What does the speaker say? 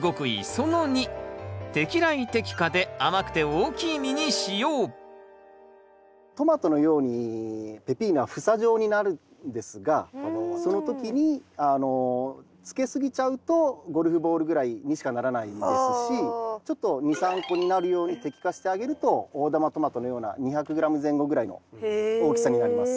その２トマトのようにペピーノは房状になるんですがその時につけすぎちゃうとゴルフボールぐらいにしかならないですしちょっと２３個になるように摘果してあげると大玉トマトのような２００ｇ前後ぐらいの大きさになります。